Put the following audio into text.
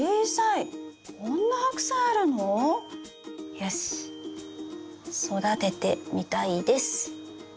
よし「育ててみたいです」。